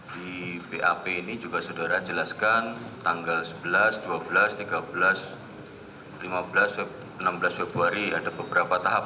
di bap ini juga saudara jelaskan tanggal sebelas dua belas tiga belas enam belas februari ada beberapa tahap